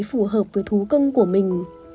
phù hợp với thú cưng của mình